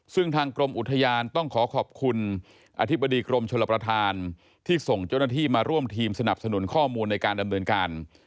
ซึ่งทางกรมอุทยานต้องขอขอบคุณอธิบดีกรมชลประธานที่ส่งเจ้าหน้าที่มาร่วมทีมสนับสนุนข้อมูลในการดำเนินการ